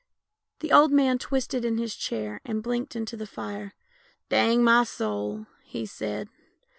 The old man twisted in his chair, and blinked into the fire. " Dang my soul! "he said.